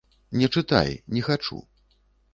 Не чытай, не хачу.